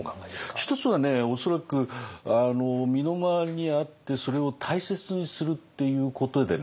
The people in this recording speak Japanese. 一つはね恐らく身の回りにあってそれを大切にするっていうことでね